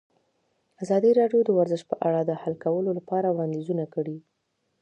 ازادي راډیو د ورزش په اړه د حل کولو لپاره وړاندیزونه کړي.